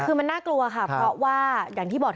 คือมันน่ากลัวค่ะเพราะว่าอย่างที่บอก